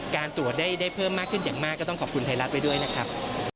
การตรวจได้เพิ่มมากขึ้นอย่างมากก็ต้องขอบคุณไทยรัฐไว้ด้วยนะครับ